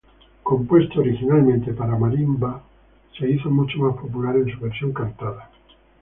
Compuesto originalmente para marimba, se hizo mucho más popular en su versión cantada.